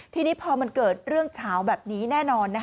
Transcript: ทีนี้พอมันเกิดเรื่องเฉาแบบนี้แน่นอน